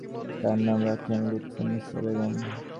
তিনি ধর্মান্তরিত হন এবং সিরাজ তার নাম রাখেন লুৎফুন্নেসা বেগম।